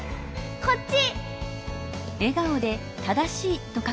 こっち！